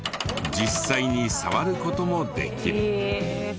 実際に触る事もできる。